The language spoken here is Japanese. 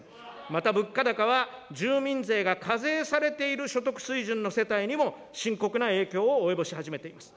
また、物価高は、住民税が課税されている所得水準の世帯にも深刻な影響を及ぼし始めています。